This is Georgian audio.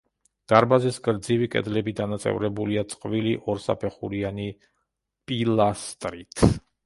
დარბაზის გრძივი კედლები დანაწევრებულია წყვილი ორსაფეხურიანი პილასტრით.